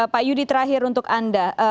pak yudi terakhir untuk anda